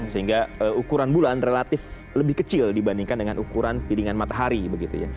sehingga ukuran bulan relatif lebih kecil dibandingkan dengan ukuran piringan matahari begitu ya